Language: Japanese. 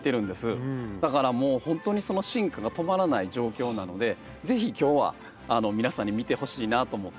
だからもうほんとにその進化が止まらない状況なので是非今日は皆さんに見てほしいなと思って。